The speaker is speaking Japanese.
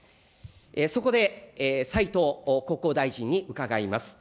そこで斉藤国交大臣に伺います。